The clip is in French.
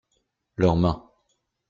Leur main.